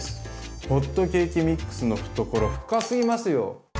ホットケーキミックスの懐深すぎますよ。